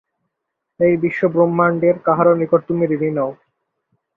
এই বিশ্বব্রহ্মাণ্ডের কাহারও নিকট তুমি ঋণী নও।